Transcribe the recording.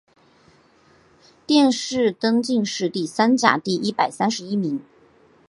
殿试登进士第三甲第一百三十一名。